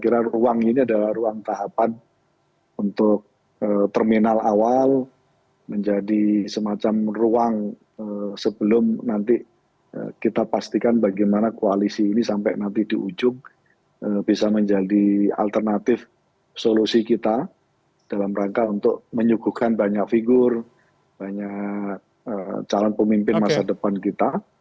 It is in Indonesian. kira kira ruang ini adalah ruang tahapan untuk terminal awal menjadi semacam ruang sebelum nanti kita pastikan bagaimana koalisi ini sampai nanti di ujung bisa menjadi alternatif solusi kita dalam rangka untuk menyuguhkan banyak figur banyak calon pemimpin masa depan kita